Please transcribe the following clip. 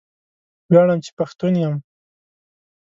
ویاړم چې پښتون یم